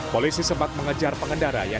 polisi sempat mengejar pengendara yang